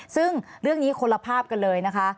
ซึ่งเรื่องนี้คนละภาพกันเลยนะคะ